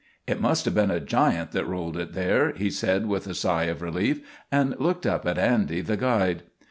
"] "It must have been a giant that rolled it there," he said with a sigh of relief, and looking up at Andy, the guide.